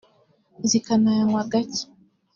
zikanayanywa gake